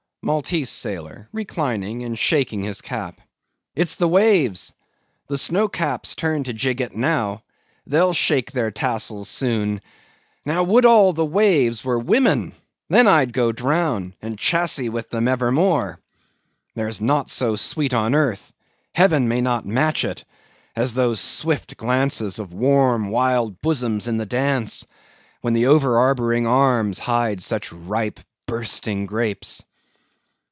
MALTESE SAILOR. (Reclining and shaking his cap.) It's the waves—the snow's caps turn to jig it now. They'll shake their tassels soon. Now would all the waves were women, then I'd go drown, and chassee with them evermore! There's naught so sweet on earth—heaven may not match it!—as those swift glances of warm, wild bosoms in the dance, when the over arboring arms hide such ripe, bursting grapes.